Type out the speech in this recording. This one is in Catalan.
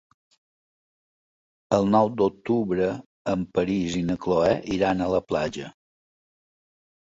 El nou d'octubre en Peris i na Cloè iran a la platja.